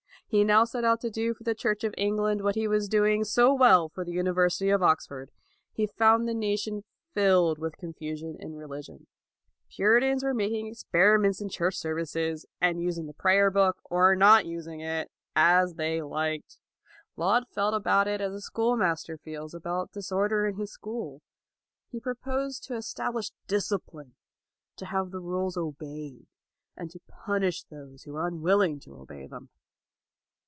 He now set out to do for the Church of England what he was doing so well for the University of Oxford. He found the nation filled with confusion in religion. Puritans were making experi ments in church services, and using the prayer book, or not using it, as they liked. Laud felt about it as a schoolmaster feels about disorder in his school. He pro posed to establish discipline, to have the rules obeyed, and to punish those who were unwilling to obey them.